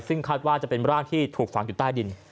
ซึ่งคาดว่าจะเป็นร่างที่ถูกฝังอยู่ใต้ดิน